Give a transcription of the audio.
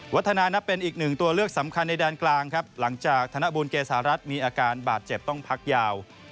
วัฒนานับเป็นอีกหนึ่งตัวเลือกสำคัญในแดนกลางครับหลังจากธนบุญเกษารัฐมีอาการบาดเจ็บต้องพักยาว